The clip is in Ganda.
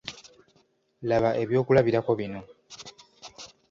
Laba ebyokulabirako bino.